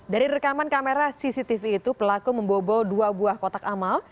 dari rekaman kamera cctv itu pelaku membobol dua buah kotak amal